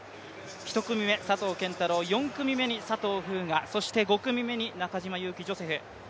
１組目、佐藤拳太郎４組目に佐藤風雅、そして５組目に中島佑気ジョセフ。